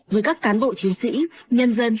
với các cán bộ chiến sĩ nhân dân